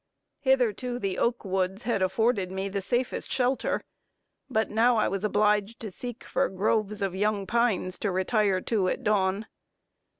Hitherto the oak woods had afforded me the safest shelter, but now I was obliged to seek for groves of young pines to retire to at dawn.